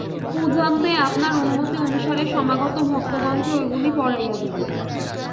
পূজান্তে আপনার অনুমতি অনুসারে সমাগত ভক্তগণকে ঐগুলি পরাইয়া দিব।